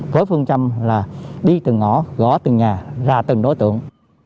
với phương châm là đi từng ngõ gõ từng nhà ra từng đối tượng